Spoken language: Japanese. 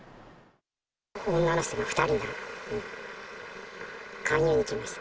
女の人の２人が勧誘に来ました。